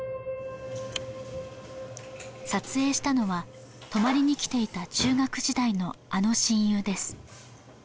撮影したのは泊まりに来ていた中学時代のあの親友です